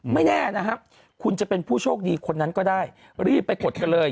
ไม่แน่นะครับคุณจะเป็นผู้โชคดีคนนั้นก็ได้รีบไปกดกันเลย